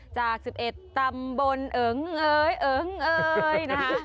จาก๑๑ตำบลเอิงเอ๋ยเอิงเอ๋ยนะคะ